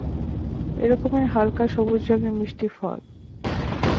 এক রকমের হালকা সবুজ রঙের মিষ্টি ফল।